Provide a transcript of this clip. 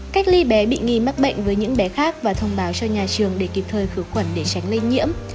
cách ly bé bị nghi mắc bệnh với những bé khác và thông báo cho nhà trường để kịp thời khử khuẩn để tránh lây nhiễm